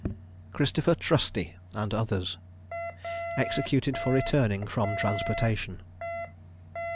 CHRISTOPHER TRUSTY, AND OTHERS. EXECUTED FOR RETURNING FROM TRANSPORTATION.